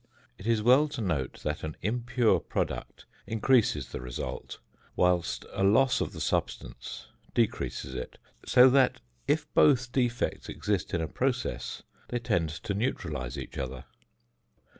It is well to note that an impure product increases the result, whilst a loss of the substance decreases it; so that if both defects exist in a process they tend to neutralise each other.